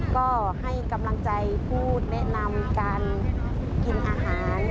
ก็ให้กำลังใจพูดแนะนำการกินอาหาร